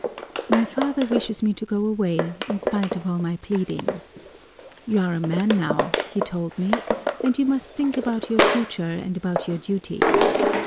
"'My father wishes me to go away, in spite of all my pleadings. 'You are a man now,' he told me, 'and you must think about your future and about your duties.